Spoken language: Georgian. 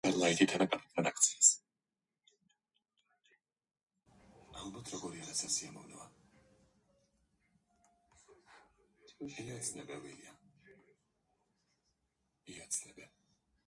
მათ ახასიათებთ დიდი ოჯახები, სადაც ცხოვრობს წყვილი, მათი დაოჯახებული ქალიშვილები, შვილიშვილები.